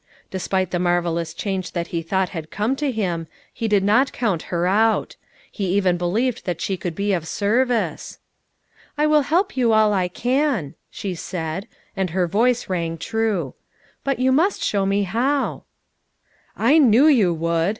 Despite the marvelous change that he thought had come to him, he did not count her out; he even believed that she could be of serv ice. "I will help you all I can," she said — and her voice rang true. "But you must show me how." FOUR MOTHERS AT CHAUTAUQUA 371 "I knew you would!"